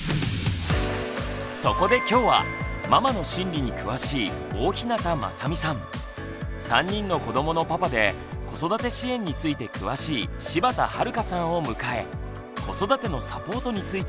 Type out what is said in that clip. そこで今日はママの心理に詳しい大日向雅美さん３人の子どものパパで子育て支援について詳しい柴田悠さんを迎え子育てのサポートについて考えます。